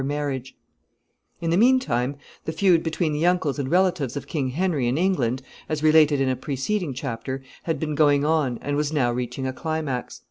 ] In the mean time, the feud between the uncles and relatives of King Henry, in England, as related in a preceding chapter, had been going on, and was now reaching a climax.